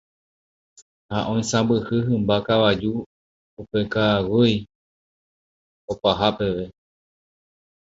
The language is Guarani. ha oisãmbyhy hymba kavaju upe ka'aguy'i opaha peve.